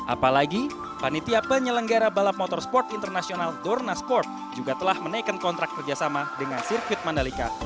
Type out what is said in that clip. apalagi panitia penyelenggara balap motorsport internasional dorna sport juga telah menaikkan kontrak kerjasama dengan sirkuit mandalika